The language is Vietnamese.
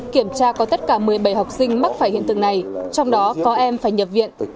kiểm tra có tất cả một mươi bảy học sinh mắc phải hiện tượng này trong đó có em phải nhập viện